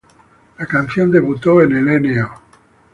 La canción debutó en el No.